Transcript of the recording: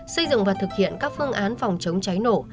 xây dựng và thực hiện các phương án phòng chống cháy nổ